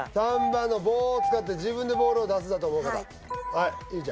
３番の棒を使って自分でボールを出すだと思う方はい結実